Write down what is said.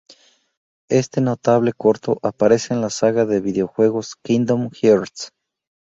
Este notable corto aparece en la saga de videojuegos Kingdom Hearts.